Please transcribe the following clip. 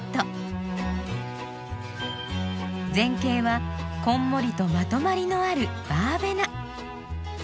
前景はこんもりとまとまりのあるバーベナ。